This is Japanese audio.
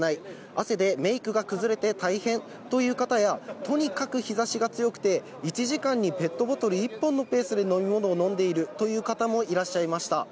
汗でメークが崩れて大変という方や、とにかく日ざしが強くて、１時間にペットボトル１本のペースで飲み物を飲んでいるという方もいらっしゃいました。